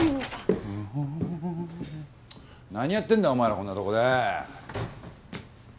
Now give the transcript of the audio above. フフフン何やってんだお前らこんなとこで。